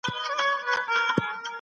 د مسکینانو پوښتنه وکړئ.